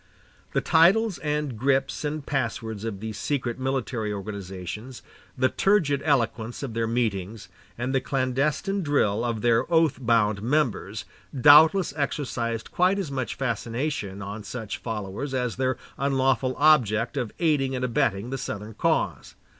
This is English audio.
The titles and grips and passwords of these secret military organizations, the turgid eloquence of their meetings, and the clandestine drill of their oath bound members, doubtless exercised quite as much fascination on such followers as their unlawful object of aiding and abetting the Southern cause.